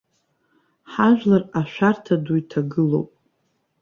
Ҳажәлар ашәарҭа ду иҭагылоуп.